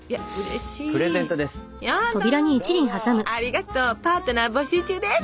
ありがとうパートナー募集中です！